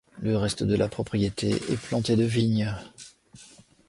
Le reste de la propriété est planté de vigne.